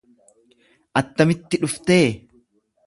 Attamitti dhuftee?